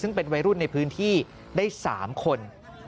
ซึ่งเป็นวัยรุ่นในพื้นที่ได้๓คน